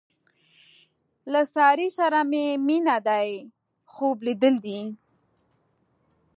له سارې سره مې مینه دې خوب لیدل دي.